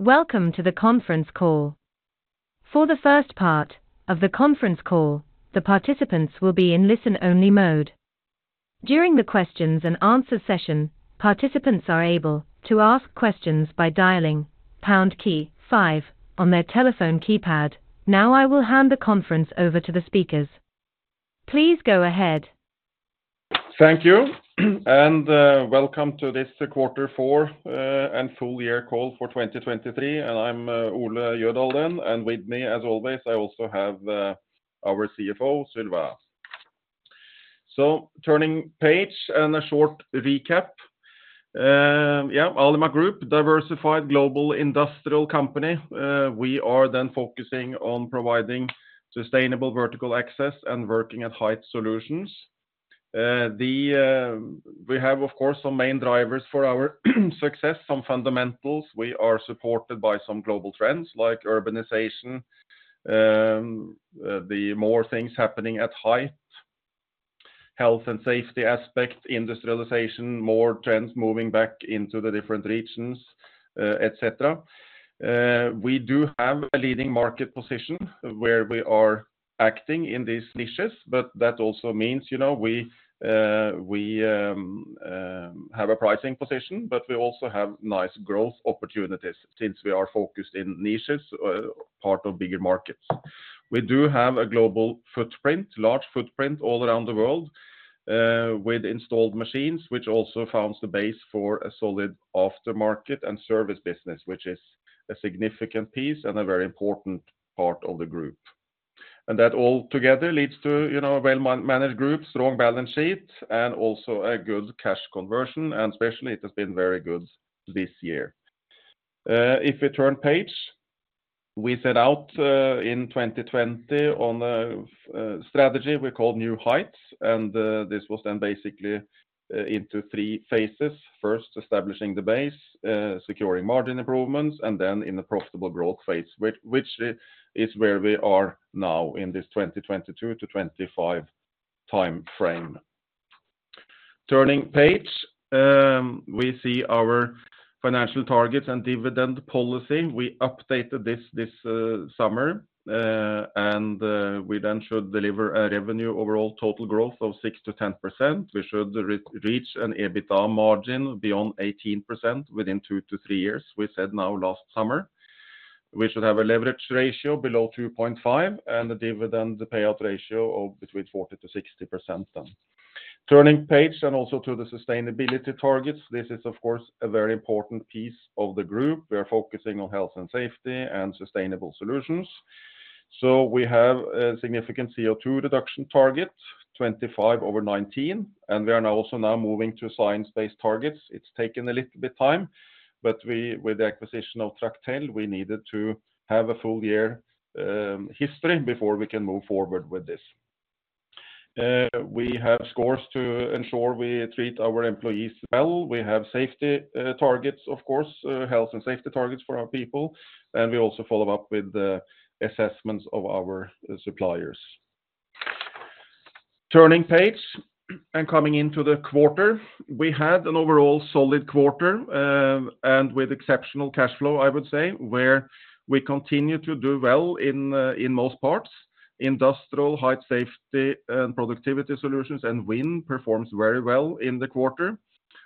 Welcome to the conference call. For the first part of the conference call, the participants will be in listen-only mode. During the questions-and-answers session, participants are able to ask questions by dialing pound key 5 on their telephone keypad. Now I will hand the conference over to the speakers. Please go ahead. Thank you, and welcome to this quarter four and full-year call for 2023. I'm Ole Jødahl, and with me, as always, I also have our CFO, Sylvain. Turning page and a short recap. Yeah, Alimak Group, diversified global industrial company. We are then focusing on providing sustainable vertical access and working at height solutions. We have, of course, some main drivers for our success, some fundamentals. We are supported by some global trends like urbanization, the more things happening at height, health and safety aspects, industrialization, more trends moving back into the different regions, etc. We do have a leading market position where we are acting in these niches, but that also means we have a pricing position, but we also have nice growth opportunities since we are focused in niches, part of bigger markets. We do have a global footprint, large footprint all around the world with installed machines, which also founds the base for a solid aftermarket and service business, which is a significant piece and a very important part of the group. That all together leads to a well-managed group, strong balance sheet, and also a good cash conversion, and especially it has been very good this year. If we turn page, we set out in 2020 on a strategy we called New Heights, and this was then basically into three phases. First, establishing the base, securing margin improvements, and then in the profitable growth phase, which is where we are now in this 2022 to 2025 time frame. Turning page, we see our financial targets and dividend policy. We updated this summer, and we then should deliver a revenue overall total growth of 6%-10%. We should reach an EBITDA margin beyond 18% within two-three years, we said now last summer. We should have a leverage ratio below 2.5 and a dividend payout ratio of between 40%-60% then. Turning page and also to the sustainability targets. This is, of course, a very important piece of the group. We are focusing on health and safety and sustainable solutions. So we have a significant CO2 reduction target, 25 over 2019, and we are also now moving to science-based targets. It's taken a little bit time, but with the acquisition of Tractel, we needed to have a full-year history before we can move forward with this. We have scores to ensure we treat our employees well. We have safety targets, of course, health and safety targets for our people, and we also follow up with assessments of our suppliers. Turning page and coming into the quarter. We had an overall solid quarter and with exceptional cash flow, I would say, where we continue to do well in most parts. Industrial, height safety and productivity solutions, and wind performs very well in the quarter.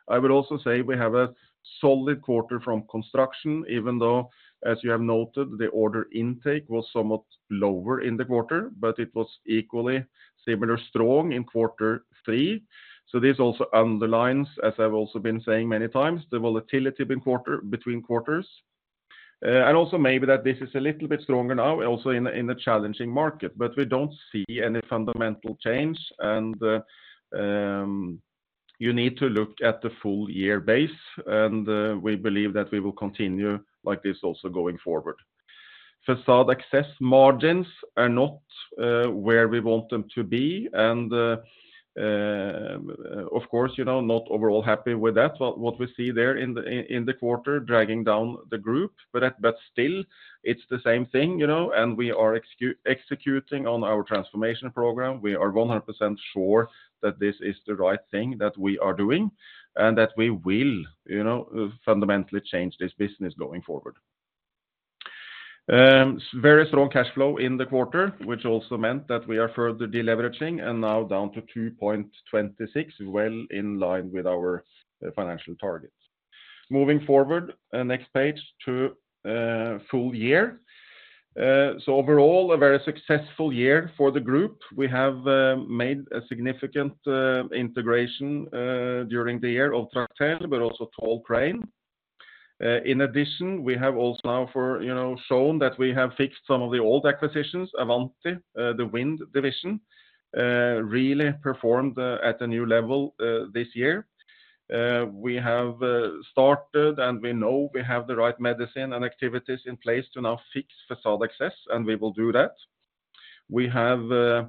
I would also say we have a solid quarter from construction, even though, as you have noted, the order intake was somewhat lower in the quarter, but it was equally similar strong in quarter three. So this also underlines, as I've also been saying many times, the volatility between quarters. And also maybe that this is a little bit stronger now, also in a challenging market, but we don't see any fundamental change, and you need to look at the full-year base, and we believe that we will continue like this also going forward. Facade access margins are not where we want them to be, and of course, not overall happy with that. What we see there in the quarter dragging down the group, but still, it's the same thing, and we are executing on our transformation program. We are 100% sure that this is the right thing that we are doing and that we will fundamentally change this business going forward. Very strong cash flow in the quarter, which also meant that we are further deleveraging and now down to 2.26, well in line with our financial targets. Moving forward, next page to full year. So overall, a very successful year for the group. We have made a significant integration during the year of Tractel, but also Tall Crane. In addition, we have also now shown that we have fixed some of the old acquisitions. Avanti, the wind division, really performed at a new level this year. We have started, and we know we have the right medicine and activities in place to now fix facade access, and we will do that. We have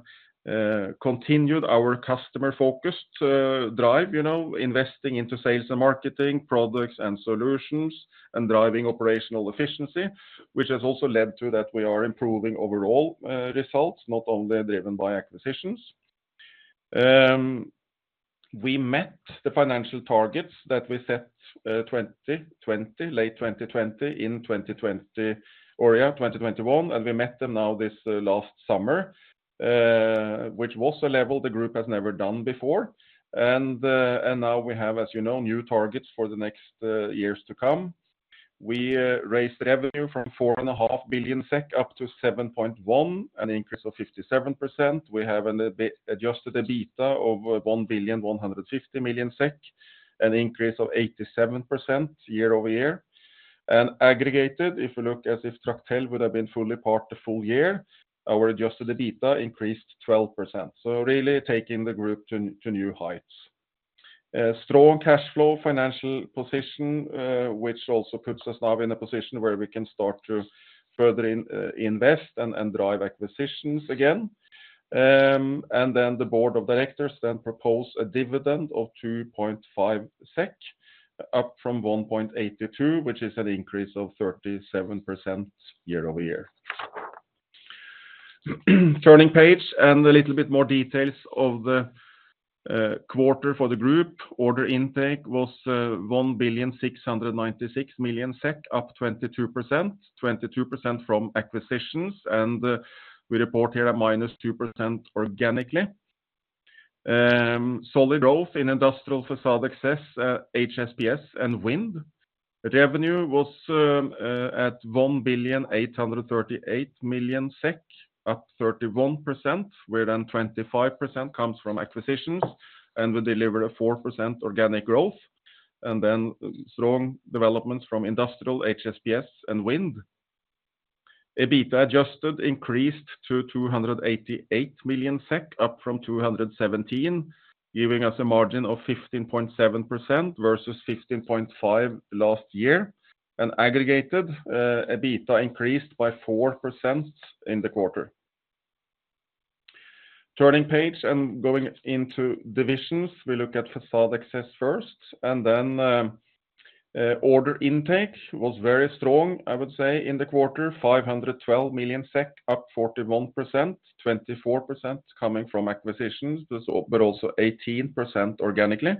continued our customer-focused drive, investing into sales and marketing, products and solutions, and driving operational efficiency, which has also led to that we are improving overall results, not only driven by acquisitions. We met the financial targets that we set late 2020 in 2021, and we met them now this last summer, which was a level the group has never done before. And now we have, as you know, new targets for the next years to come. We raised revenue from 4.5 billion SEK up to 7.1 billion, an increase of 57%. We have adjusted the EBITDA of 1.15 billion, an increase of 87% year-over-year. Aggregated, if you look as if Tractel would have been fully part the full year, our adjusted EBITDA increased 12%. So really taking the group to new heights. Strong cash flow financial position, which also puts us now in a position where we can start to further invest and drive acquisitions again. And then the board of directors then proposed a dividend of 2.5 SEK, up from 1.82, which is an increase of 37% year-over-year. Turning page and a little bit more details of the quarter for the group. Order intake was 1.696 billion SEK, up 22%, 22% from acquisitions, and we report here at -2% organically. Solid growth in industrial facade access, HSPS, and wind. Revenue was at 1.838 billion, up 31%, where then 25% comes from acquisitions, and we delivered a 4% organic growth. And then strong developments from industrial, HSPS, and wind. EBITDA adjusted increased to 288 million SEK, up from 217 million, giving us a margin of 15.7% versus 15.5% last year. Aggregated, EBITDA increased by 4% in the quarter. Turning the page and going into divisions, we look at facade access first, and then order intake was very strong, I would say, in the quarter, 512 million SEK, up 41%, 24% coming from acquisitions, but also 18% organically.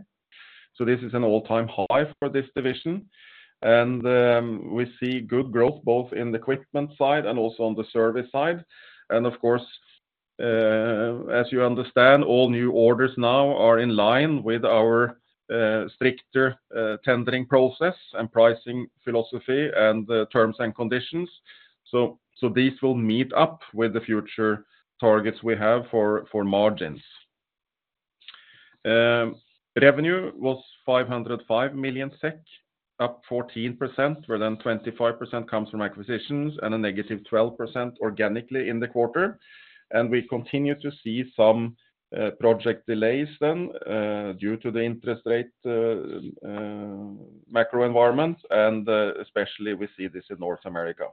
So this is an all-time high for this division. And we see good growth both in the equipment side and also on the service side. And of course, as you understand, all new orders now are in line with our stricter tendering process and pricing philosophy and terms and conditions. So these will meet up with the future targets we have for margins. Revenue was 505 million SEK, up 14%, where then 25% comes from acquisitions and a negative 12% organically in the quarter. We continue to see some project delays then due to the interest rate macro environment, and especially we see this in North America.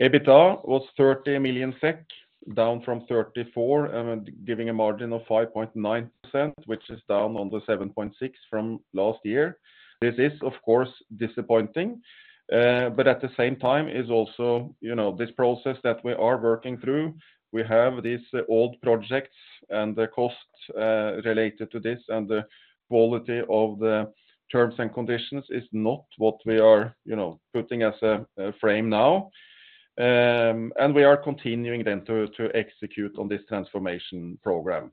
EBITDA was 30 million SEK, down from 34 million, giving a margin of 5.9%, which is down on the 7.6% from last year. This is, of course, disappointing, but at the same time, it's also this process that we are working through. We have these old projects, and the cost related to this and the quality of the terms and conditions is not what we are putting as a frame now. We are continuing then to execute on this transformation program.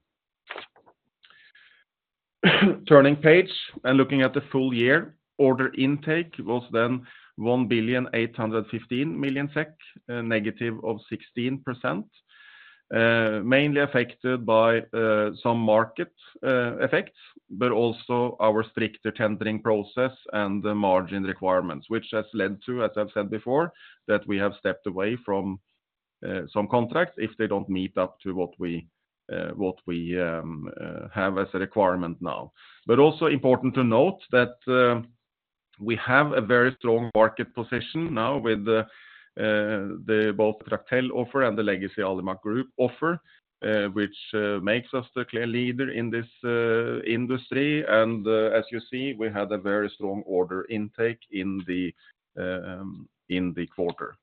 Turning page and looking at the full year. Order intake was then 1.815 billion SEK, negative 16%, mainly affected by some market effects, but also our stricter tendering process and margin requirements, which has led to, as I've said before, that we have stepped away from some contracts if they don't meet up to what we have as a requirement now. But also important to note that we have a very strong market position now with both the Tractel offer and the legacy Alimak Group offer, which makes us the clear leader in this industry. As you see, we had a very strong order intake in the quarter.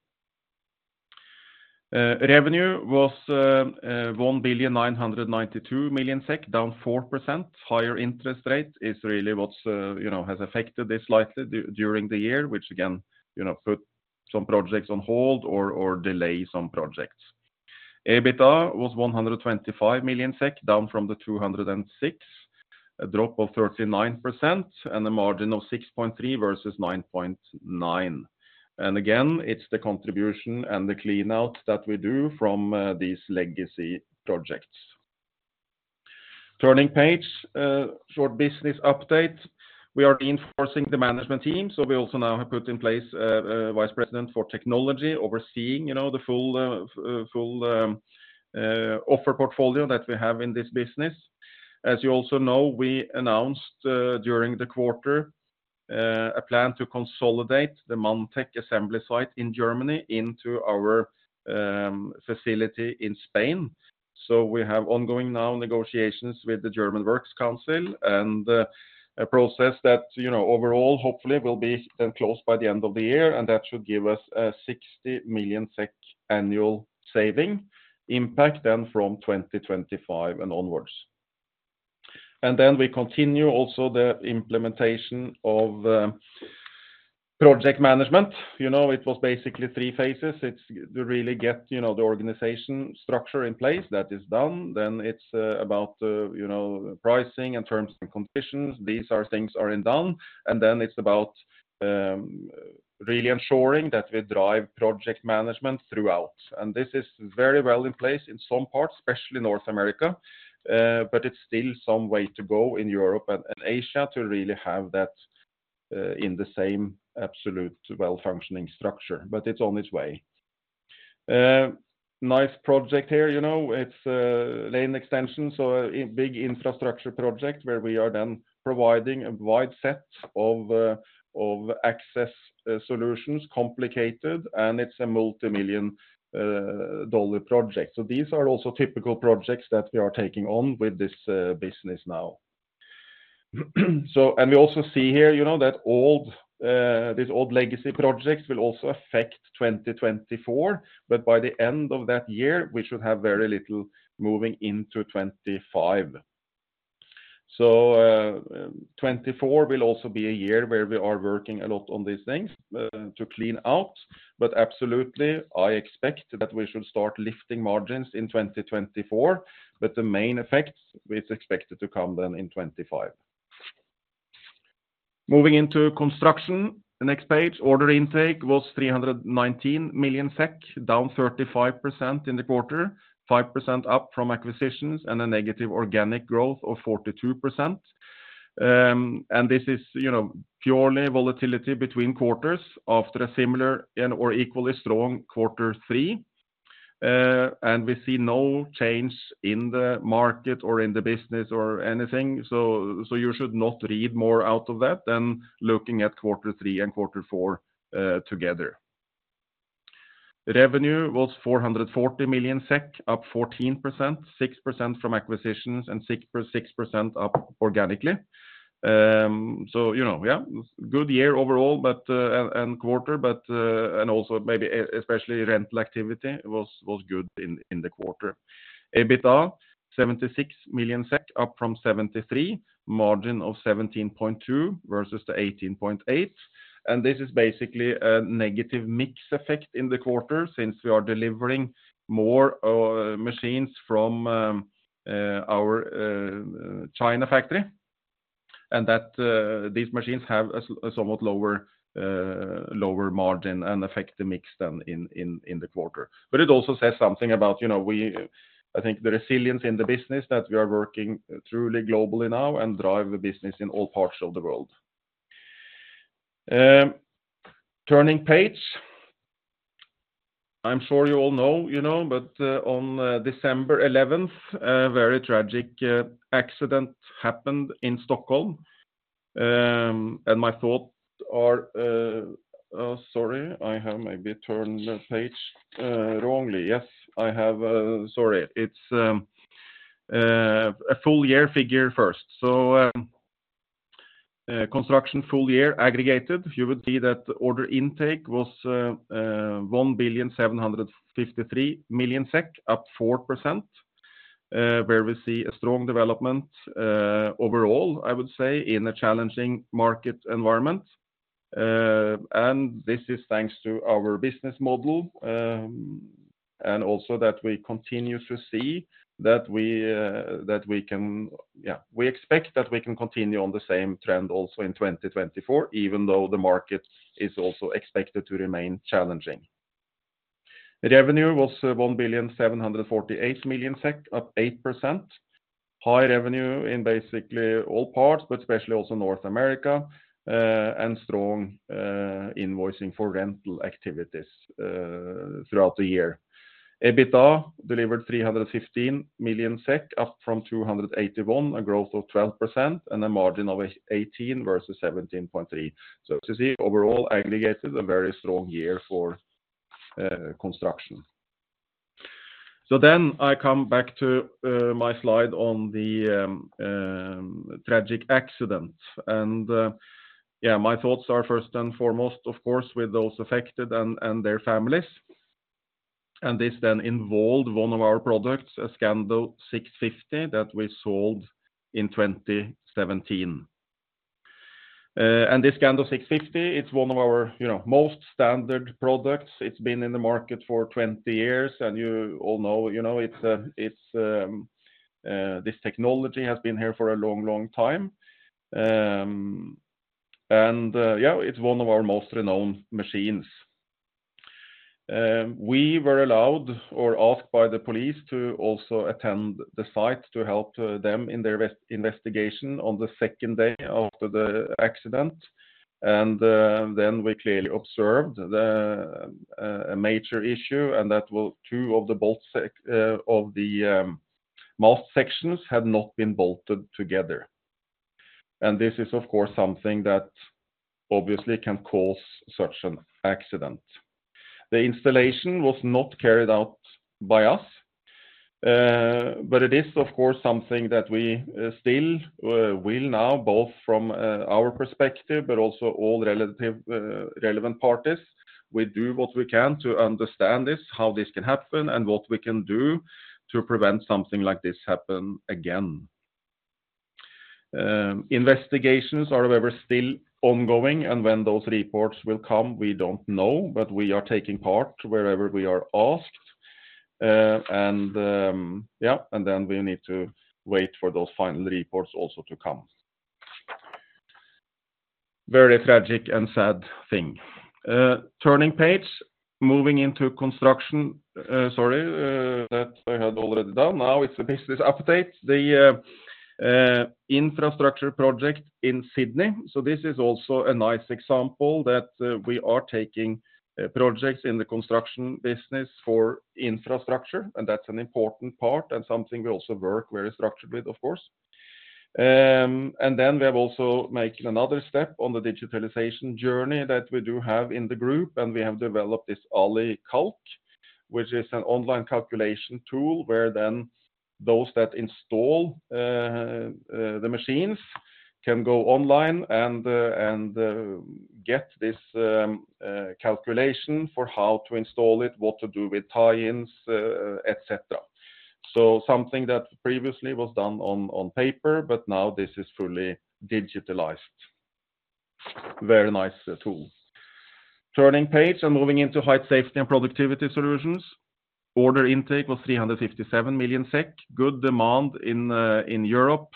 Revenue was 1.992 billion SEK, down 4%. Higher interest rate is really what has affected this slightly during the year, which again put some projects on hold or delayed some projects. EBITDA was 125 million SEK, down from the 206, a drop of 39%, and a margin of 6.3% versus 9.9%. And again, it's the contribution and the clean-out that we do from these legacy projects. Turning page, short business update. We are reinforcing the management team, so we also now have put in place a vice president for technology overseeing the full offer portfolio that we have in this business. As you also know, we announced during the quarter a plan to consolidate the Manntech assembly site in Germany into our facility in Spain. So we have ongoing now negotiations with the German Works Council and a process that overall, hopefully, will be then closed by the end of the year, and that should give us a 60 million SEK annual saving impact then from 2025 and onwards. And then we continue also the implementation of project management. You know it was basically three phases. It's to really get the organization structure in place. That is done. Then it's about pricing and terms and conditions. These things are done. Then it's about really ensuring that we drive project management throughout. And this is very well in place in some parts, especially North America, but it's still some way to go in Europe and Asia to really have that in the same absolute well-functioning structure. But it's on its way. Nice project here. You know it's a lane extension, so a big infrastructure project where we are then providing a wide set of access solutions, complicated, and it's a multi-million dollar project. So these are also typical projects that we are taking on with this business now. We also see here that these old legacy projects will also affect 2024, but by the end of that year, we should have very little moving into 2025. So 2024 will also be a year where we are working a lot on these things to clean out. But absolutely, I expect that we should start lifting margins in 2024, but the main effects are expected to come then in 2025. Moving into construction, next page. Order intake was 319 million SEK, down 35% in the quarter, 5% up from acquisitions, and a negative organic growth of 42%. And this is purely volatility between quarters after a similar or equally strong quarter three. And we see no change in the market or in the business or anything, so you should not read more out of that than looking at quarter three and quarter four together. Revenue was 440 million SEK, up 14%, 6% from acquisitions, and 6% up organically. So yeah, good year overall and quarter, but also maybe especially rental activity was good in the quarter. EBITDA, 76 million SEK, up from 73 million, margin of 17.2% versus the 18.8%. And this is basically a negative mix effect in the quarter since we are delivering more machines from our China factory. And these machines have a somewhat lower margin and affect the mix then in the quarter. But it also says something about, you know, I think the resilience in the business that we are working truly globally now and drive the business in all parts of the world. Turning page. I'm sure you all know, you know, but on December 11th, a very tragic accident happened in Stockholm. And my thoughts are sorry, I have maybe turned the page wrongly. Yes, I have sorry. It's a full year figure first. So construction full year aggregated, you would see that order intake was 1.753 billion, up 4%, where we see a strong development overall, I would say, in a challenging market environment. And this is thanks to our business model and also that we continue to see that we can yeah, we expect that we can continue on the same trend also in 2024, even though the market is also expected to remain challenging. Revenue was 1.748 billion SEK, up 8%. High revenue in basically all parts, but especially also North America, and strong invoicing for rental activities throughout the year. EBITDA delivered 315 million SEK, up from 281 million, a growth of 12%, and a margin of 18% versus 17.3%. So as you see, overall aggregated, a very strong year for construction. So then I come back to my slide on the tragic accident. Yeah, my thoughts are first and foremost, of course, with those affected and their families. This then involved one of our products, a Scando 650, that we sold in 2017. This Scando 650, it's one of our most standard products. It's been in the market for 20 years, and you all know it's this technology has been here for a long, long time. Yeah, it's one of our most renowned machines. We were allowed or asked by the police to also attend the site to help them in their investigation on the second day after the accident. Then we clearly observed a major issue, and that was two of the bolts of the mast sections had not been bolted together. This is, of course, something that obviously can cause such an accident. The installation was not carried out by us. But it is, of course, something that we still will now, both from our perspective but also all relevant parties. We do what we can to understand this, how this can happen, and what we can do to prevent something like this happening again. Investigations are, however, still ongoing, and when those reports will come, we don't know, but we are taking part wherever we are asked. And yeah, and then we need to wait for those final reports also to come. Very tragic and sad thing. Turning page, moving into construction. Sorry. That I had already done. Now it's a business update. The infrastructure project in Sydney. So this is also a nice example that we are taking projects in the construction business for infrastructure, and that's an important part and something we also work very structured with, of course. Then we have also made another step on the digitalization journey that we do have in the group, and we have developed this AliCalc, which is an online calculation tool where then those that install the machines can go online and get this calculation for how to install it, what to do with tie-ins, et cetera. So something that previously was done on paper, but now this is fully digitalized. Very nice tool. Turning page and moving into height safety and productivity solutions. Order intake was 357 million SEK, good demand in Europe,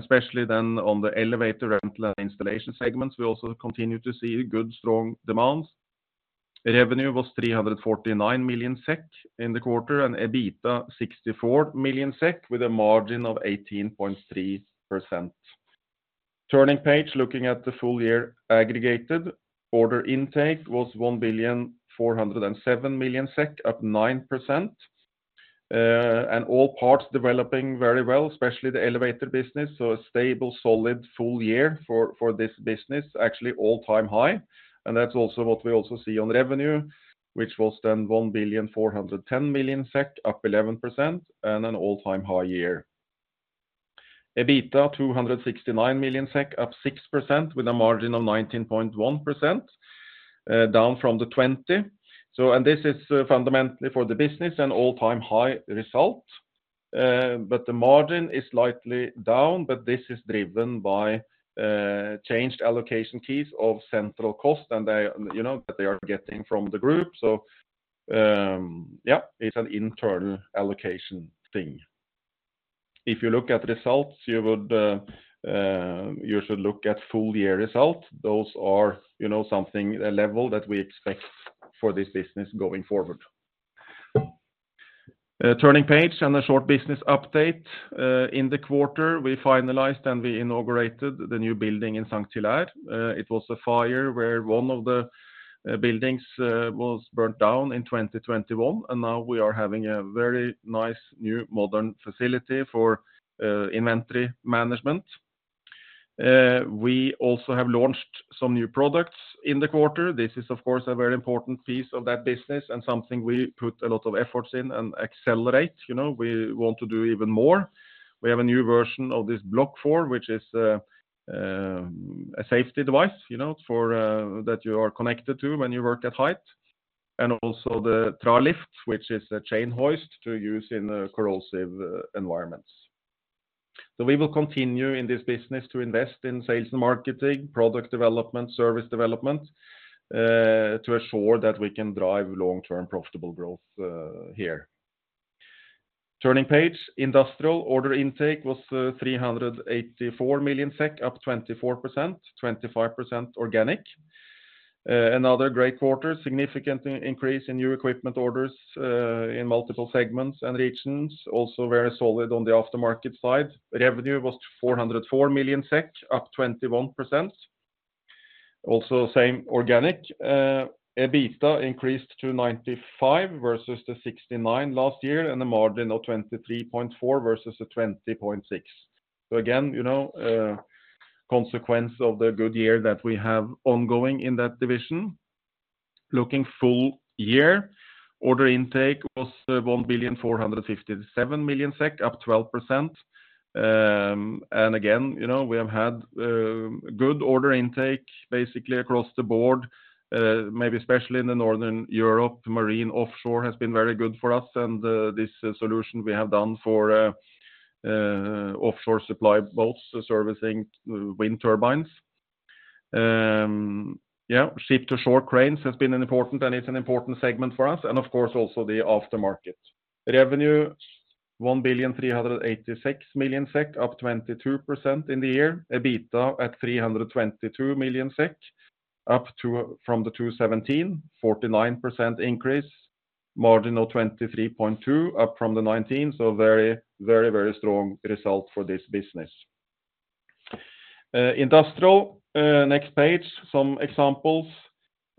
especially then on the elevator rental and installation segments. We also continue to see good, strong demands. Revenue was 349 million SEK in the quarter and EBITDA 64 million SEK with a margin of 18.3%. Turning page, looking at the full year aggregated. Order intake was 1.407 billion SEK, up 9%. All parts developing very well, especially the elevator business. A stable, solid full year for this business, actually all-time high. That's also what we also see on revenue, which was then 1.410 billion, up 11%, and an all-time high year. EBITDA 269 million SEK, up 6% with a margin of 19.1%, down from the 20%. This is fundamentally for the business, an all-time high result. The margin is slightly down, but this is driven by changed allocation keys of central cost and that they are getting from the group. Yeah, it's an internal allocation thing. If you look at results, you should look at full year result. Those are something, a level that we expect for this business going forward. Turning page and a short business update. In the quarter, we finalized and we inaugurated the new building in Saint-Hilaire. It was a fire where one of the buildings was burned down in 2021, and now we are having a very nice new modern facility for inventory management. We also have launched some new products in the quarter. This is, of course, a very important piece of that business and something we put a lot of efforts in and accelerate. We want to do even more. We have a new version of this Blocfor, which is a safety device that you are connected to when you work at height, and also the Tralift, which is a chain hoist to use in corrosive environments. So we will continue in this business to invest in sales and marketing, product development, service development to ensure that we can drive long-term profitable growth here. Turning page, industrial. Order intake was 384 million SEK, up 24%, 25% organic. Another great quarter, significant increase in new equipment orders in multiple segments and regions, also very solid on the aftermarket side. Revenue was 404 million SEK, up 21%. Also same organic. EBITDA increased to 95 million versus the 69 million last year and a margin of 23.4% versus the 20.6%. So again, you know consequence of the good year that we have ongoing in that division. Looking full year, order intake was 1,457 million SEK, up 12%. And again, you know we have had good order intake basically across the board, maybe especially in northern Europe. Marine offshore has been very good for us, and this solution we have done for offshore supply boats servicing wind turbines. Yeah, ship-to-shore cranes has been important, and it's an important segment for us, and of course, also the aftermarket. Revenue, 1,386 million SEK, up 22% in the year. EBITDA at 322 million SEK, up from 217, 49% increase, margin of 23.2%, up from the 19%. So very, very, very strong result for this business. Industrial, next page, some examples.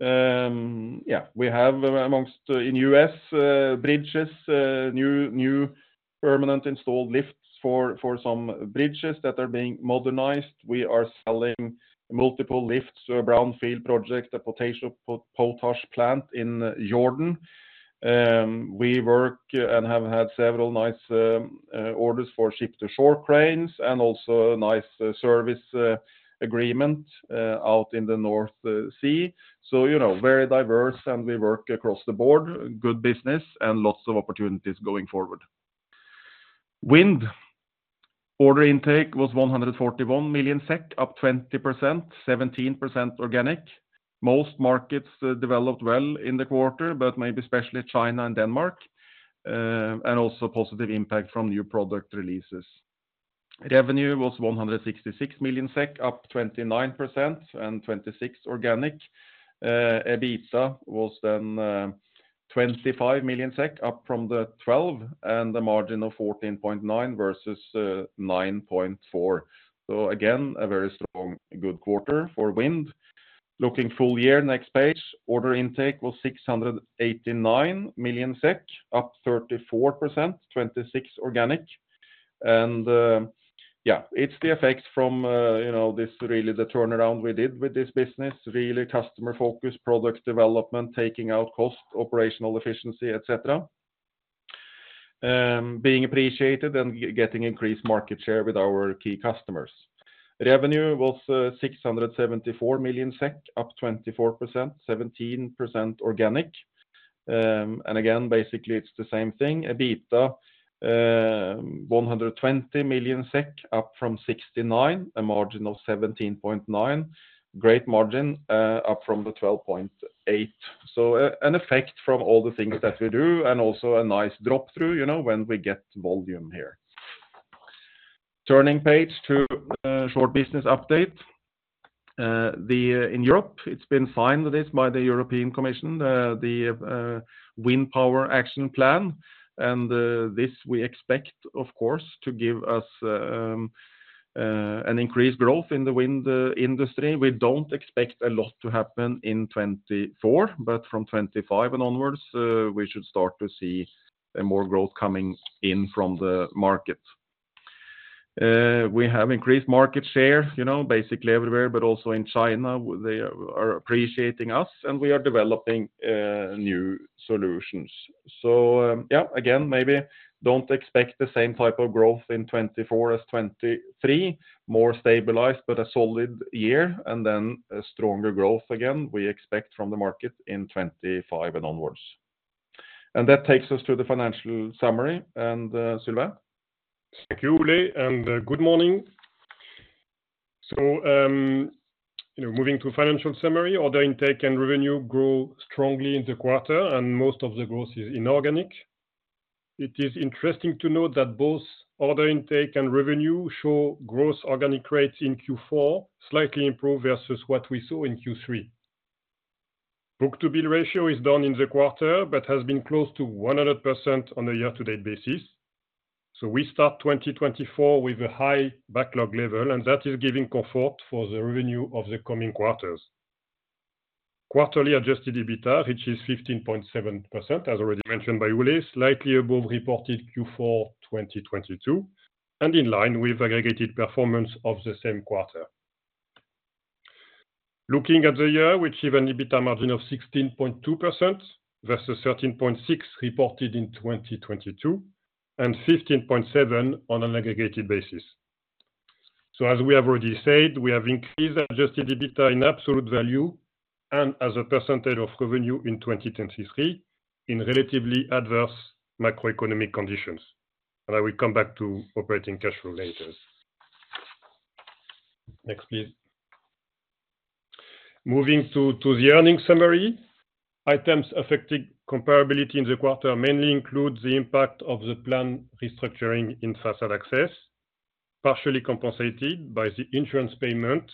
Yeah, we have amongst in the U.S. bridges, new permanent installed lifts for some bridges that are being modernized. We are selling multiple lifts, a brownfield project, a potash plant in Jordan. We work and have had several nice orders for ship-to-shore cranes and also a nice service agreement out in the North Sea. So you know very diverse, and we work across the board, good business, and lots of opportunities going forward. Wind. Order intake was 141 million SEK, up 20%, 17% organic. Most markets developed well in the quarter, but maybe especially China and Denmark, and also positive impact from new product releases. Revenue was 166 million SEK, up 29% and 26% organic. EBITDA was then 25 million SEK, up from the 12% and a margin of 14.9% versus 9.4%. So again, a very strong, good quarter for wind. Looking full year, next page, order intake was 689 million SEK, up 34%, 26% organic. And yeah, it's the effects from this really the turnaround we did with this business, really customer focus, product development, taking out cost, operational efficiency, et cetera, being appreciated and getting increased market share with our key customers. Revenue was 674 million SEK, up 24%, 17% organic. And again, basically, it's the same thing. EBITDA, 120 million SEK, up from 69%, a margin of 17.9%, great margin, up from the 12.8%. So an effect from all the things that we do and also a nice drop-through when we get volume here. Turning page to short business update. In Europe, it's been signed this by the European Commission, the Wind Power Action Plan. This we expect, of course, to give us an increased growth in the wind industry. We don't expect a lot to happen in 2024, but from 2025 and onwards, we should start to see more growth coming in from the market. We have increased market share basically everywhere, but also in China. They are appreciating us, and we are developing new solutions. So yeah, again, maybe don't expect the same type of growth in 2024 as 2023, more stabilized but a solid year and then stronger growth again. We expect from the market in 2025 and onwards. That takes us to the financial summary. Sylvain? Thank you, Ole, and good morning. So moving to financial summary, order intake and revenue grew strongly in the quarter, and most of the growth is inorganic. It is interesting to note that both order intake and revenue show growth organic rates in Q4 slightly improved versus what we saw in Q3. Book-to-bill ratio is down in the quarter but has been close to 100% on a year-to-date basis. So we start 2024 with a high backlog level, and that is giving comfort for the revenue of the coming quarters. Quarterly adjusted EBITDA reaches 15.7%, as already mentioned by Ole, slightly above reported Q4 2022 and in line with aggregated performance of the same quarter. Looking at the year, we achieve an EBITDA margin of 16.2% versus 13.6% reported in 2022 and 15.7% on an aggregated basis. So as we have already said, we have increased adjusted EBITDA in absolute value and as a percentage of revenue in 2023 in relatively adverse macroeconomic conditions. And I will come back to operating cash flow later. Next, please. Moving to the earnings summary. Items affecting comparability in the quarter mainly include the impact of the plan restructuring in facade access, partially compensated by the insurance payment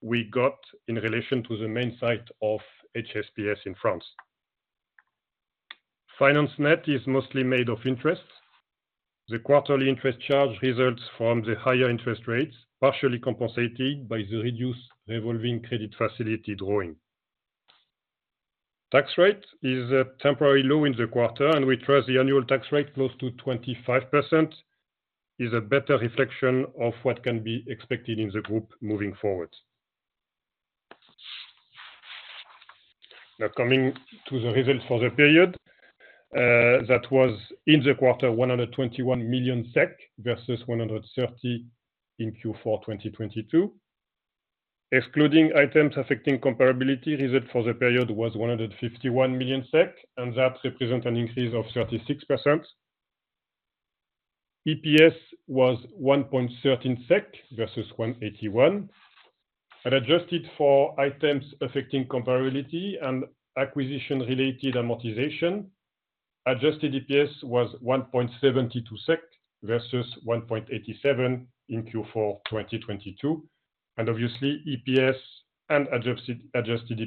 we got in relation to the main site of HSPS in France. Finance net is mostly made of interest. The quarterly interest charge results from the higher interest rates, partially compensated by the reduced revolving credit facility drawing. Tax rate is a temporary low in the quarter, and we trace the annual tax rate close to 25%. It's a better reflection of what can be expected in the group moving forward. Now, coming to the results for the period. That was in the quarter, 121 million SEK versus 130 million in Q4 2022. Excluding items affecting comparability, the result for the period was 151 million SEK, and that represents an increase of 36%. EPS was 1.13 SEK versus 181. Adjusted for items affecting comparability and acquisition-related amortization, adjusted EPS was 1.72 SEK versus 1.87 in Q4 2022. Obviously, EPS and Adjusted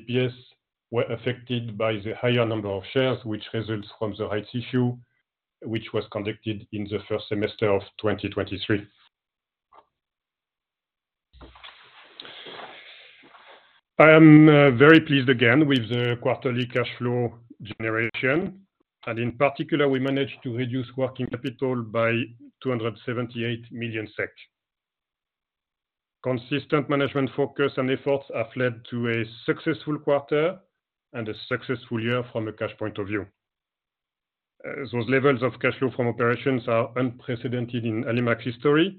EPS were affected by the higher number of shares, which results from the rights issue, which was conducted in the first semester of 2023. I am very pleased again with the quarterly cash flow generation. In particular, we managed to reduce working capital by 278 million SEK. Consistent management focus and efforts have led to a successful quarter and a successful year from a cash point of view. Those levels of cash flow from operations are unprecedented in Alimak's history,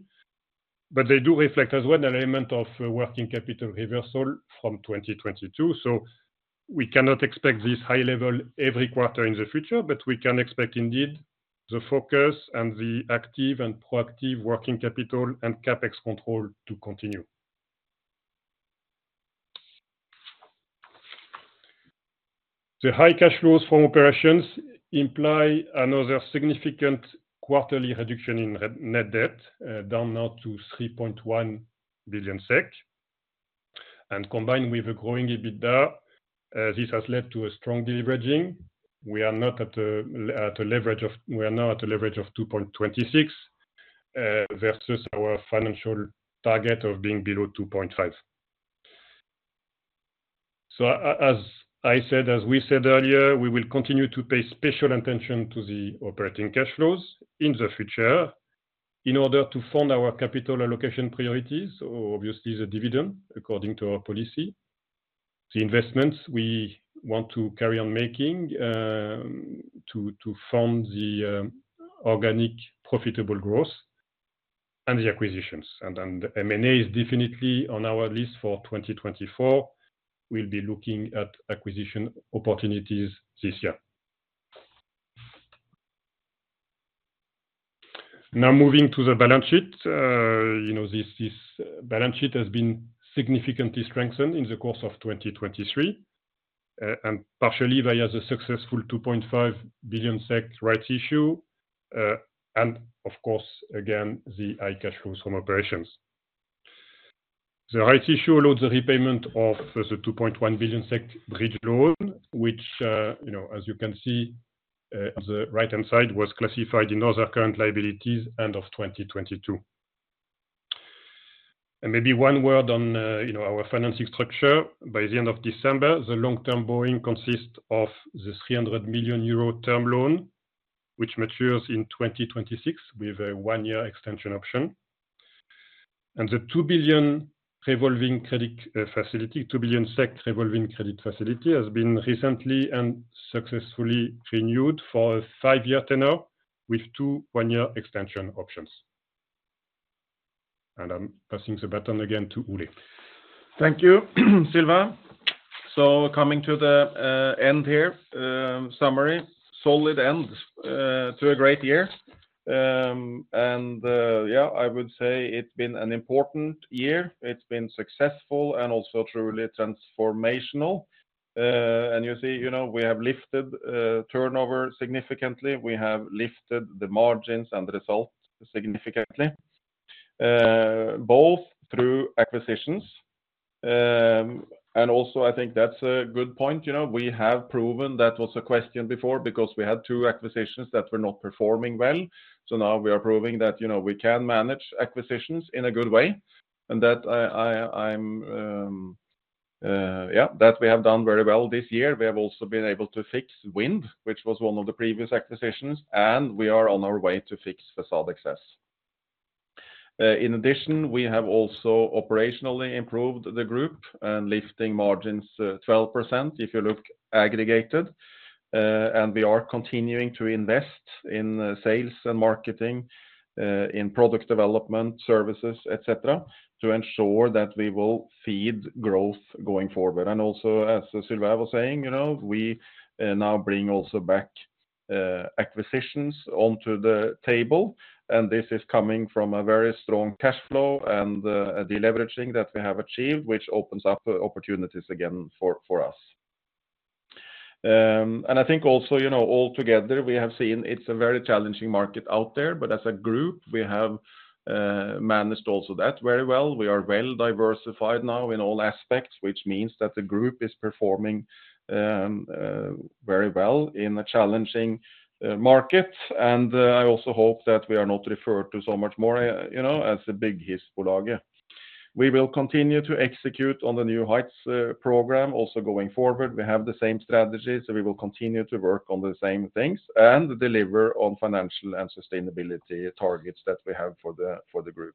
but they do reflect as well an element of working capital reversal from 2022. We cannot expect this high level every quarter in the future, but we can expect indeed the focus and the active and proactive working capital and CaPex control to continue. The high cash flows from operations imply another significant quarterly reduction in net debt, down now to 3.1 billion SEK. Combined with a growing EBITDA, this has led to a strong deleveraging. We are now at a leverage of 2.26 versus our financial target of being below 2.5. As I said, as we said earlier, we will continue to pay special attention to the operating cash flows in the future in order to fund our capital allocation priorities, obviously the dividend according to our policy, the investments we want to carry on making to fund the organic profitable growth and the acquisitions. M&A is definitely on our list for 2024. We'll be looking at acquisition opportunities this year. Now, moving to the balance sheet. This balance sheet has been significantly strengthened in the course of 2023 and partially via the successful 2.5 billion SEK rights issue and, of course, again, the high cash flows from operations. The rights issue allowed the repayment of the 2.1 billion SEK bridge loan, which, as you can see on the right-hand side, was classified in other current liabilities end of 2022. Maybe one word on our financing structure. By the end of December, the long-term borrowing consists of the 300 million euro term loan, which matures in 2026 with a one-year extension option. The 2 billion revolving credit facility, EUR 2 billion SEK revolving credit facility, has been recently and successfully renewed for a five-year tenor with two one-year extension options. I'm passing the baton again to Ole. Thank you, Sylvain. Coming to the end here, summary. Solid end to a great year. Yeah, I would say it's been an important year. It's been successful and also truly transformational. You see, we have lifted turnover significantly. We have lifted the margins and the result significantly, both through acquisitions. Also, I think that's a good point. We have proven that was a question before because we had two acquisitions that were not performing well. So now we are proving that we can manage acquisitions in a good way and that we have done very well this year. We have also been able to fix wind, which was one of the previous acquisitions, and we are on our way to fix facade access. In addition, we have also operationally improved the group and lifting margins 12% if you look aggregated. We are continuing to invest in sales and marketing, in product development, services, et cetera, to ensure that we will feed growth going forward. Also, as Sylvain was saying, we now bring also back acquisitions onto the table. This is coming from a very strong cash flow and a deleveraging that we have achieved, which opens up opportunities again for us. I think also, altogether, we have seen it's a very challenging market out there, but as a group, we have managed also that very well. We are well diversified now in all aspects, which means that the group is performing very well in a challenging market. I also hope that we are not referred to so much more as a big hissbolag. We will continue to execute on the New Heights program also going forward. We have the same strategy, so we will continue to work on the same things and deliver on financial and sustainability targets that we have for the group.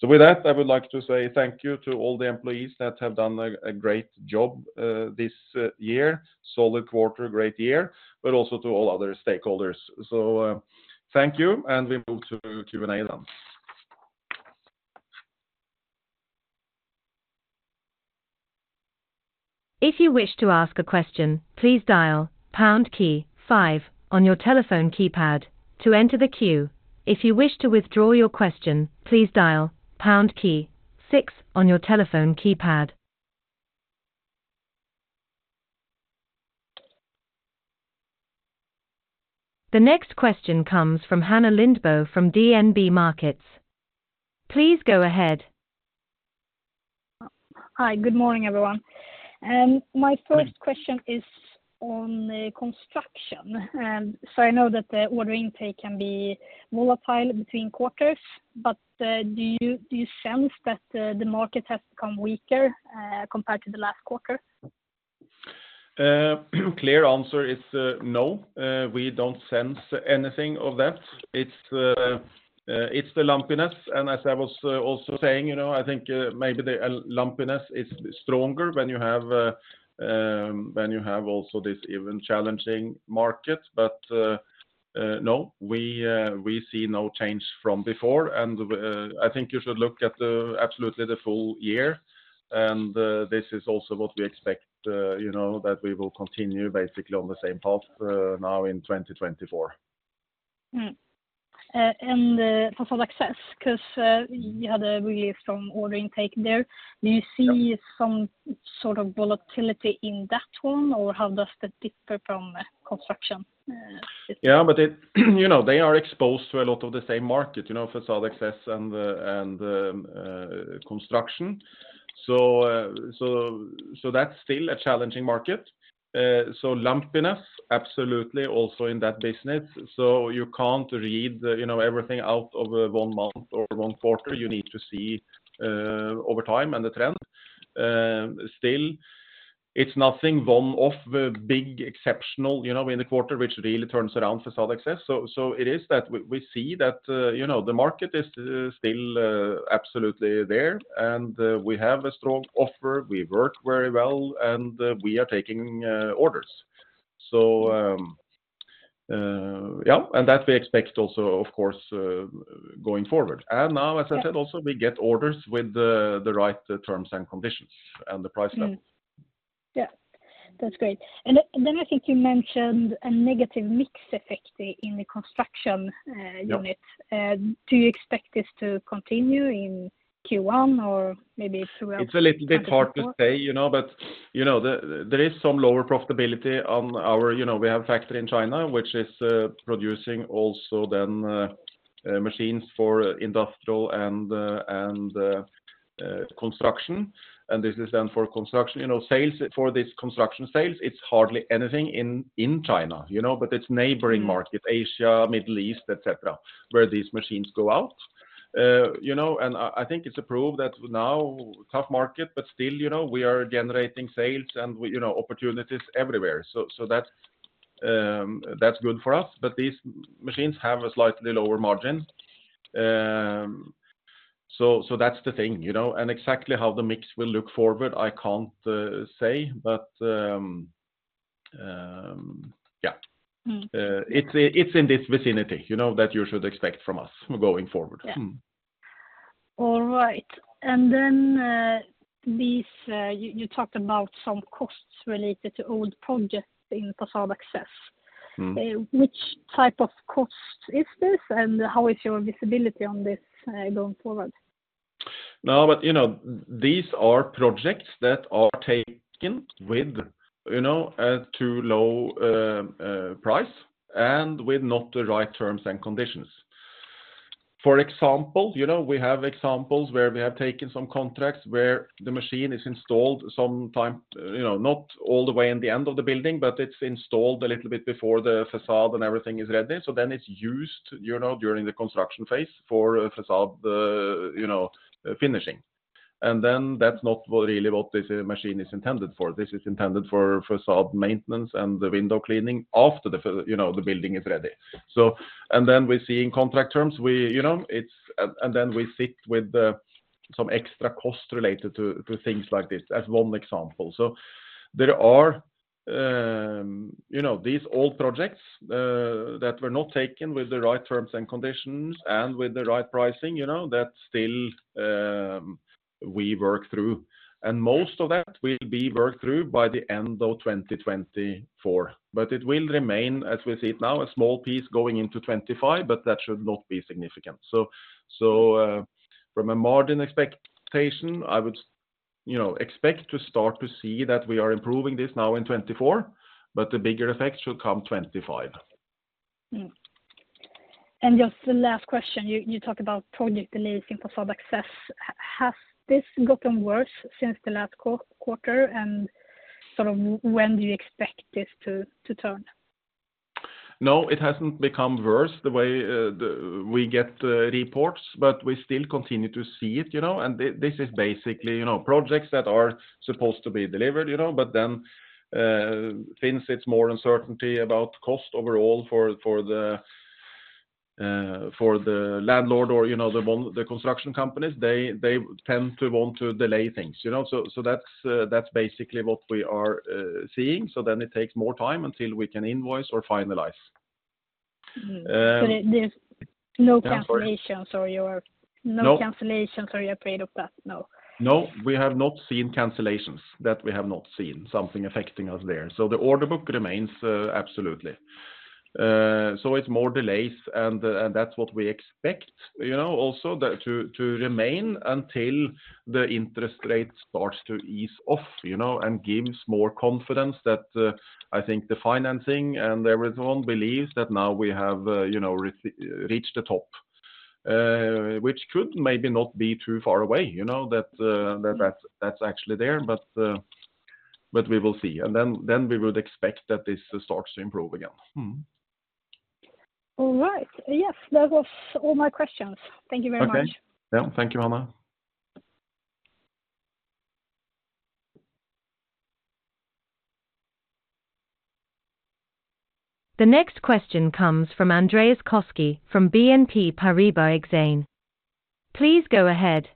So with that, I would like to say thank you to all the employees that have done a great job this year. Solid quarter, great year, but also to all other stakeholders. So thank you, and we move to Q&A then. If you wish to ask a question, please dial pound key five on your telephone keypad to enter the queue. If you wish to withdraw your question, please dial pound key six on your telephone keypad. The next question comes from Hanna Lindbo from DNB Markets. Please go ahead. Hi, good morning, everyone. My first question is on construction. So I know that the order intake can be volatile between quarters, but do you sense that the market has become weaker compared to the last quarter? Clear answer is no. We don't sense anything of that. It's the lumpiness. And as I was also saying, I think maybe the lumpiness is stronger when you have also this even challenging market. But no, we see no change from before. And I think you should look at absolutely the full year. And this is also what we expect, that we will continue basically on the same path now in 2024. And facade access, because you had a really strong order intake there. Do you see some sort of volatility in that one, or how does that differ from construction? Yeah, but they are exposed to a lot of the same market, facade access and construction. So that's still a challenging market. So, lumpiness, absolutely, also in that business. So you can't read everything out of one month or one quarter. You need to see over time and the trend. Still, it's nothing one-off, big exceptional in the quarter, which really turns around facade access. So it is that we see that the market is still absolutely there, and we have a strong offer. We work very well, and we are taking orders. So yeah, and that we expect also, of course, going forward. And now, as I said also, we get orders with the right terms and conditions and the price levels. Yeah, that's great. And then I think you mentioned a negative mix effect in the construction unit. Do you expect this to continue in Q1 or maybe throughout? It's a little bit hard to say, but there is some lower profitability on our—we have a factory in China, which is producing also then machines for industrial and construction. And this is then for construction. For this construction sales, it's hardly anything in China, but it's neighboring market, Asia, Middle East, et set uh ruh, where these machines go out. And I think it's approved that now, tough market, but still, we are generating sales and opportunities everywhere. So that's good for us. But these machines have a slightly lower margin. So that's the thing. And exactly how the mix will look forward, I can't say, but yeah. It's in this vicinity that you should expect from us going forward. All right. And then you talked about some costs related to old projects in facade access. Which type of cost is this, and how is your visibility on this going forward? No, but these are projects that are taken with a too low price and with not the right terms and conditions. For example, we have examples where we have taken some contracts where the machine is installed sometimes not all the way in the end of the building, but it's installed a little bit before the facade and everything is ready. So then it's used during the construction phase for facade finishing. And then that's not really what this machine is intended for. This is intended for facade maintenance and the window cleaning after the building is ready. And then we see in contract terms it's, and then we sit with some extra costs related to things like this as one example. So there are these old projects that were not taken with the right terms and conditions and with the right pricing that still we work through. And most of that will be worked through by the end of 2024. But it will remain, as we see it now, a small piece going into 2025, but that should not be significant. So from a margin expectation, I would expect to start to see that we are improving this now in 2024, but the bigger effect should come 2025. And just the last question. You talked about project delaying in facade access. Has this gotten worse since the last quarter, and sort of when do you expect this to turn? No, it hasn't become worse the way we get reports, but we still continue to see it. This is basically projects that are supposed to be delivered, but then since it's more uncertainty about cost overall for the landlord or the construction companies, they tend to want to delay things. So that's basically what we are seeing. So then it takes more time until we can invoice or finalize. So there's no cancellations or you are no cancellations or you're afraid of that? No. No, we have not seen cancellations that we have not seen something affecting us there. So the order book remains, absolutely. So it's more delays, and that's what we expect also to remain until the interest rate starts to ease off and gives more confidence that I think the financing and everyone believes that now we have reached the top, which could maybe not be too far away, that that's actually there. But we will see. And then we would expect that this starts to improve again. All right. Yes, that was all my questions. Thank you very much. Okay. Yeah, thank you, Hanna. The next question comes from Andreas Koski from BNP Paribas Exane. Please go ahead.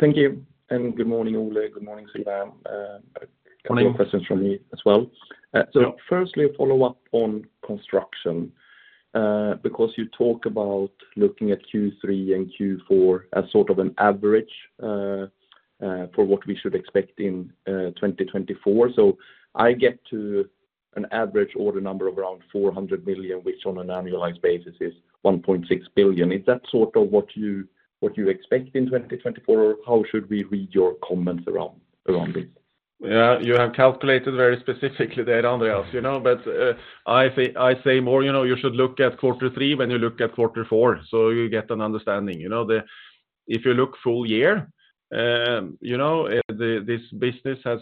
Thank you. And good morning, Ole. Good morning, Sylvain. Good morning. A couple of questions from me as well. So firstly, a follow-up on construction because you talk about looking at Q3 and Q4 as sort of an average for what we should expect in 2024. So I get to an average order number of around 400 million, which on an annualized basis is 1.6 billion. Is that sort of what you expect in 2024, or how should we read your comments around this? Yeah, you have calculated very specifically there, Andreas. But I say more, you should look at quarter three when you look at quarter four so you get an understanding. If you look full year, this business has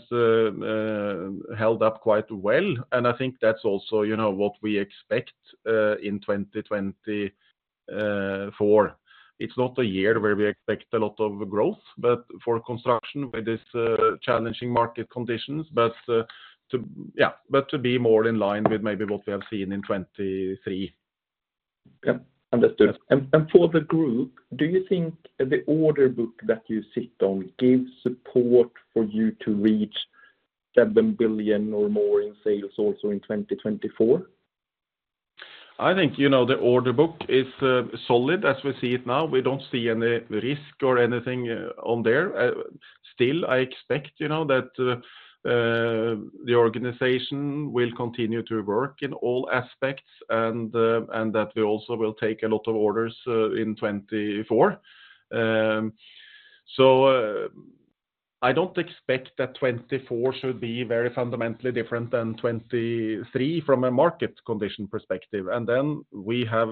held up quite well. And I think that's also what we expect in 2024. It's not a year where we expect a lot of growth, but for construction with these challenging market conditions, yeah, but to be more in line with maybe what we have seen in 2023. Yeah, understood. And for the group, do you think the order book that you sit on gives support for you to reach 7 billion or more in sales also in 2024? I think the order book is solid as we see it now. We don't see any risk or anything on there. Still, I expect that the organization will continue to work in all aspects and that we also will take a lot of orders in 2024. So I don't expect that 2024 should be very fundamentally different than 2023 from a market condition perspective. And then we have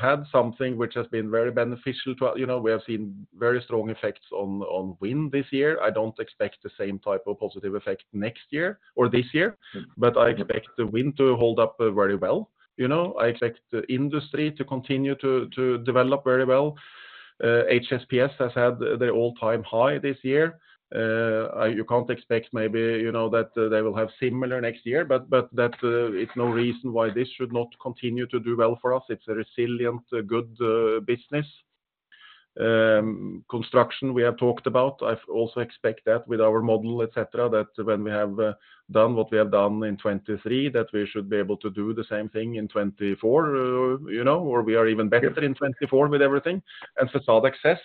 had something which has been very beneficial to we have seen very strong effects on wind this year. I don't expect the same type of positive effect next year or this year, but I expect the wind to hold up very well. I expect the industry to continue to develop very well. HSPS has had their all-time high this year. You can't expect maybe that they will have similar next year, but that it's no reason why this should not continue to do well for us. It's a resilient, good business. Construction, we have talked about. I also expect that with our model, et cetera, that when we have done what we have done in 2023, that we should be able to do the same thing in 2024, or we are even better in 2024 with everything. And facade access,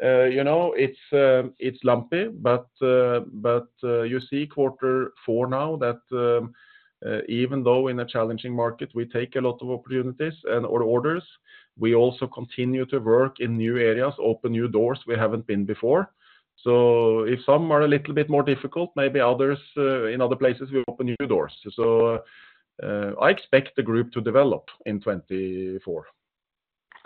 it's lumpy. But you see quarter four now that even though in a challenging market, we take a lot of opportunities or orders, we also continue to work in new areas, open new doors we haven't been before. So if some are a little bit more difficult, maybe in other places, we open new doors. So I expect the group to develop in 2024.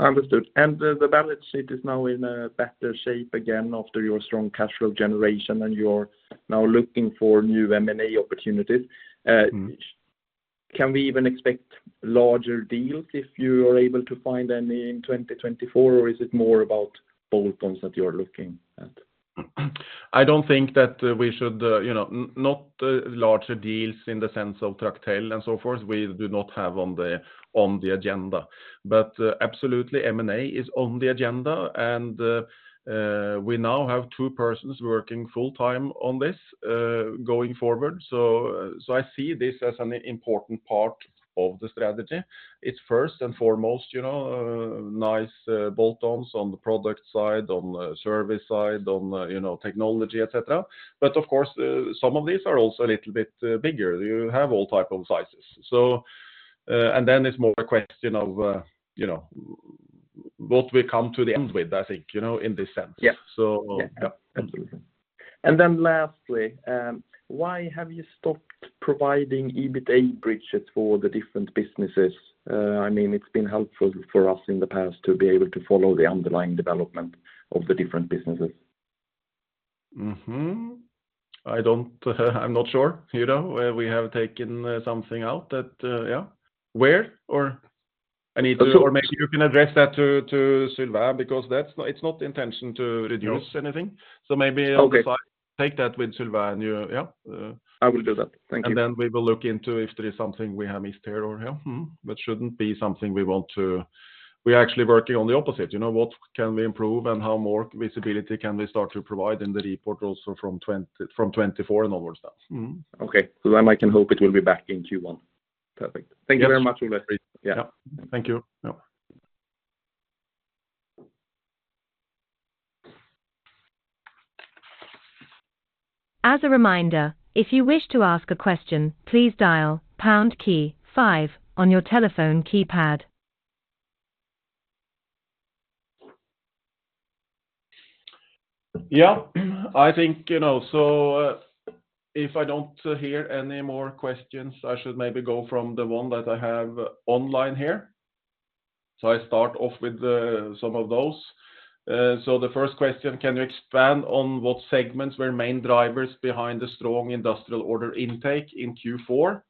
Understood. And the balance sheet is now in a better shape again after your strong cash flow generation and you're now looking for new M&A opportunities. Can we even expect larger deals if you are able to find any in 2024, or is it more about bolt-ons that you are looking at? I don't think that we should not larger deals in the sense of Tractel and so forth. We do not have on the agenda. But absolutely, M&A is on the agenda. And we now have two persons working full-time on this going forward. So I see this as an important part of the strategy. It's first and foremost, nice bolt-ons on the product side, on the service side, on technology, et cetera. But of course, some of these are also a little bit bigger. You have all type of sizes. And then it's more a question of what we come to the end with, I think, in this sense. So yeah. Yeah, absolutely. And then lastly, why have you stopped providing EBITDA bridges for the different businesses? I mean, it's been helpful for us in the past to be able to follow the underlying development of the different businesses. I'm not sure where we have taken something out that yeah. Where? Or maybe you can address that to Sylvain because it's not the intention to reduce anything. So maybe I'll decide to take that with Sylvain and you yeah. I will do that. Thank you. And then we will look into if there is something we have missed here or yeah, that shouldn't be something we want to. We're actually working on the opposite. What can we improve, and how more visibility can we start to provide in the report also from 2024 and onwards then? Okay. So then I can hope it will be back in Q1. Perfect. Thank you very much, Ole. Yeah. Thank you. Yeah. As a reminder, if you wish to ask a question, please dial pound key five on your telephone keypad. Yeah, I think so if I don't hear any more questions, I should maybe go from the one that I have online here. So I start off with some of those. So the first question, can you expand on what segments were main drivers behind the strong industrial order intake in Q4?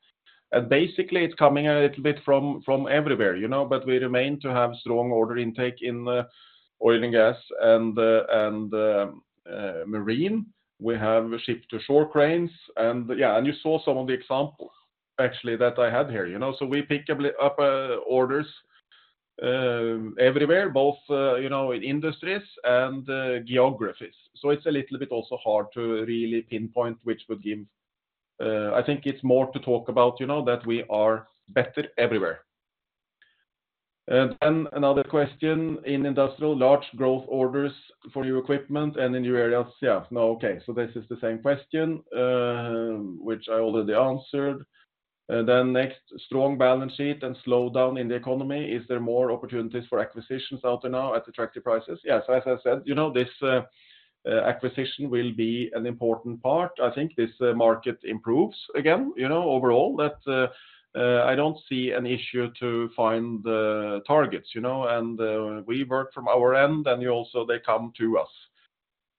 And basically, it's coming a little bit from everywhere, but we remain to have strong order intake in oil and gas and marine. We have ship-to-shore cranes. And yeah, and you saw some of the examples, actually, that I had here. So we pick up orders everywhere, both in industries and geographies. So it's a little bit also hard to really pinpoint which would give. I think it's more to talk about that we are better everywhere. Then another question in industrial, large growth orders for new equipment and in new areas. Yeah. No, okay. So this is the same question, which I already answered. Then next, strong balance sheet and slowdown in the economy. Is there more opportunities for acquisitions out there now at attractive prices? Yes. As I said, this acquisition will be an important part. I think this market improves again overall. I don't see an issue to find targets. And we work from our end, and they come to us.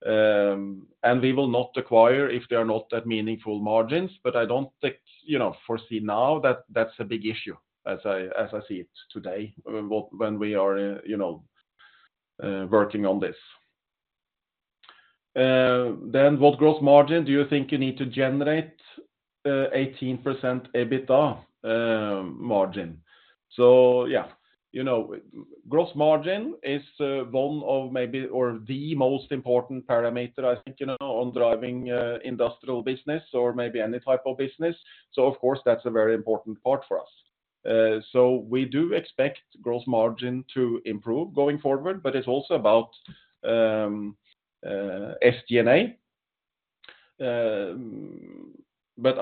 And we will not acquire if they are not at meaningful margins. But I don't foresee now that that's a big issue as I see it today when we are working on this. Then what gross margin do you think you need to generate 18% EBITDA margin? So yeah, gross margin is one of maybe or the most important parameter, I think, on driving industrial business or maybe any type of business. So of course, that's a very important part for us. So we do expect gross margin to improve going forward, but it's also about SG&A. But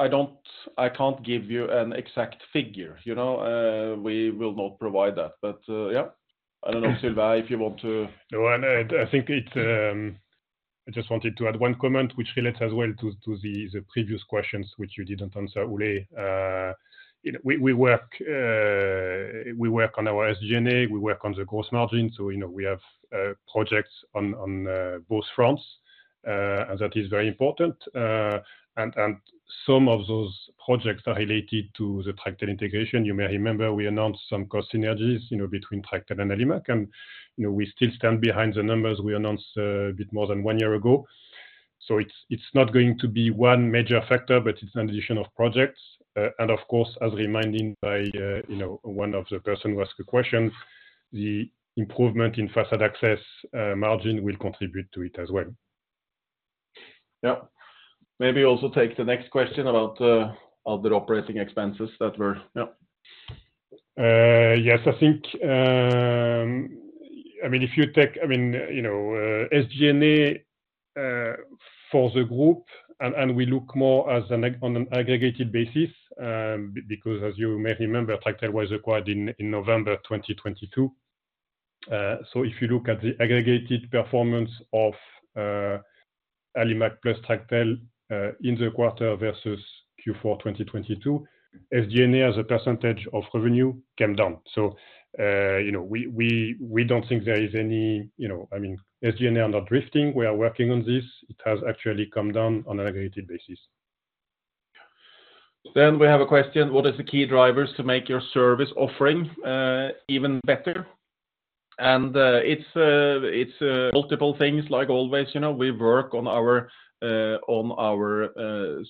I can't give you an exact figure. We will not provide that. But yeah, I don't know, Sylvain, if you want to. No, I think it's I just wanted to add one comment which relates as well to the previous questions which you didn't answer, Ole. We work on our SG&A. We work on the gross margin. So we have projects on both fronts, and that is very important. And some of those projects are related to the Tractel integration. You may remember we announced some cost synergies between Tractel and Alimak, and we still stand behind the numbers we announced a bit more than one year ago. So it's not going to be one major factor, but it's an addition of projects. And of course, as reminded by one of the person who asked the question, the improvement in facade access margin will contribute to it as well. Yeah. Maybe also take the next question about other operating expenses that were yeah. Yes, I think I mean, if you take I mean, SG&A for the group, and we look more on an aggregated basis because, as you may remember, Tractel was acquired in November 2022. So if you look at the aggregated performance of Alimak plus Tractel in the quarter versus Q4 2022, SG&A as a percentage of revenue came down. So we don't think there is any, I mean, SG&A are not drifting. We are working on this. It has actually come down on an aggregated basis. Then we have a question. What are the key drivers to make your service offering even better? And it's multiple things. Like always, we work on our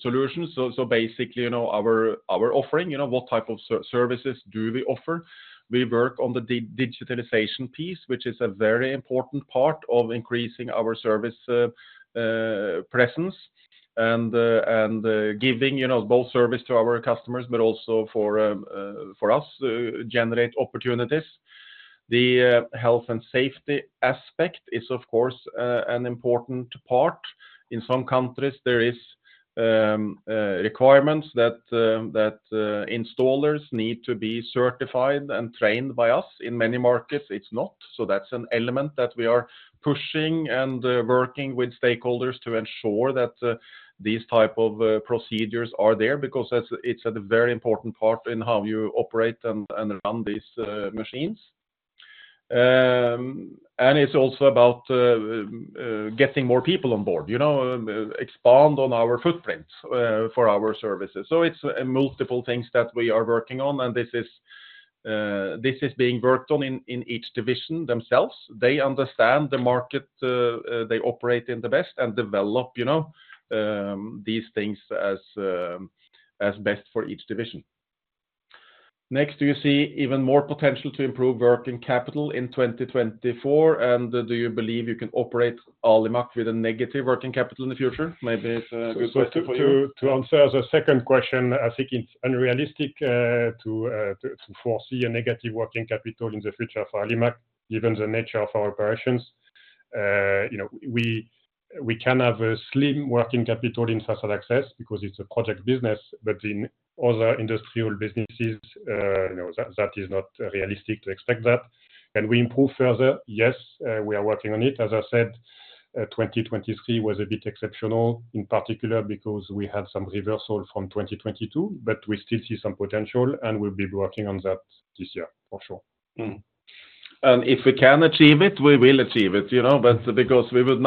solutions. So basically, our offering, what type of services do we offer? We work on the digitalization piece, which is a very important part of increasing our service presence and giving both service to our customers but also for us, generate opportunities. The health and safety aspect is, of course, an important part. In some countries, there are requirements that installers need to be certified and trained by us. In many markets, it's not. So that's an element that we are pushing and working with stakeholders to ensure that these type of procedures are there because it's a very important part in how you operate and run these machines. And it's also about getting more people on board, expand on our footprint for our services. So it's multiple things that we are working on, and this is being worked on in each division themselves. They understand the market they operate in the best and develop these things as best for each division. Next, do you see even more potential to improve working capital in 2024? And do you believe you can operate Alimak with a negative working capital in the future? Maybe it's a good question for you. To answer as a second question, I think it's unrealistic to foresee a negative working capital in the future for Alimak, given the nature of our operations. We can have a slim working capital in facade access because it's a project business, but in other industrial businesses, that is not realistic to expect that. Can we improve further? Yes, we are working on it. As I said, 2023 was a bit exceptional, in particular because we had some reversal from 2022, but we still see some potential, and we'll be working on that this year, for sure. If we can achieve it, we will achieve it because we would,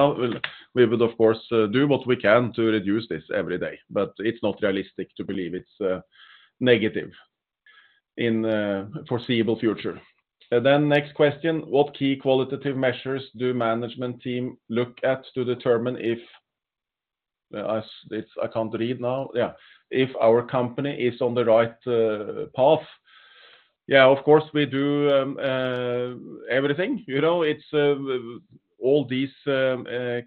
of course, do what we can to reduce this every day. But it's not realistic to believe it's negative in the foreseeable future. Then next question. What key qualitative measures do management team look at to determine if our company is on the right path? Yeah, of course, we do everything. It's all these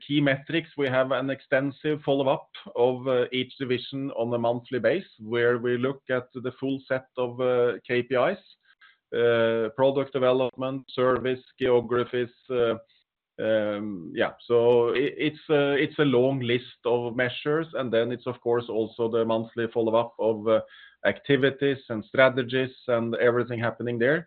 key metrics. We have an extensive follow-up of each division on a monthly basis where we look at the full set of KPIs: product development, service, geographies. Yeah. So it's a long list of measures. And then it's, of course, also the monthly follow-up of activities and strategies and everything happening there.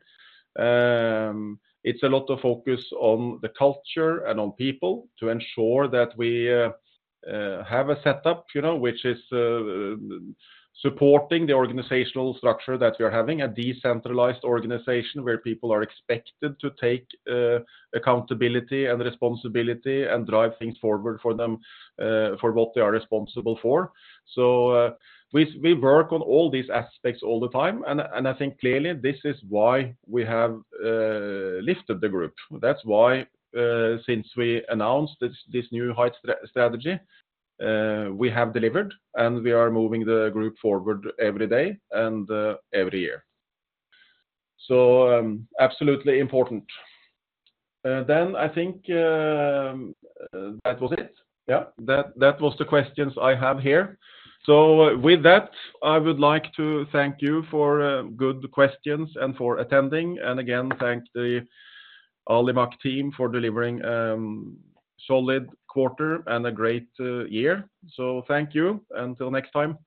It's a lot of focus on the culture and on people to ensure that we have a setup which is supporting the organizational structure that we are having, a decentralized organization where people are expected to take accountability and responsibility and drive things forward for them for what they are responsible for. So we work on all these aspects all the time. I think clearly, this is why we have lifted the group. That's why, since we announced this New Height strategy, we have delivered, and we are moving the group forward every day and every year. Absolutely important. I think that was it. Yeah. That was the questions I have here. With that, I would like to thank you for good questions and for attending. Again, thank the Alimak team for delivering a solid quarter and a great year. Thank you. Until next time.